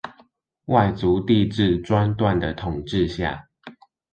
外族帝制專斷的統治下